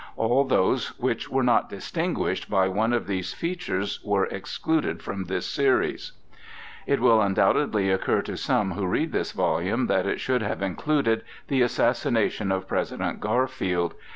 All those which were not distinguished by one of these features were excluded from this series.{vi} It will undoubtedly occur to some who read this volume that it should have included the assassination of President Garfield.